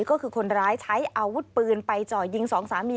ก็คือคนร้ายใช้อาวุธปืนไปจ่อยิงสองสามี